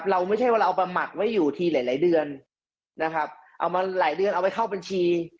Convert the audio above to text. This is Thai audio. เราไม่ใช่ว่าเราเอามาหมักไว้อยู่ทีหลายหลายเดือนนะครับเอามาหลายเดือนเอาไว้เข้าบัญชี